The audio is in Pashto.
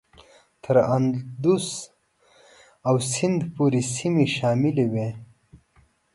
تر اندوس او سیند پورې سیمې شاملي وې.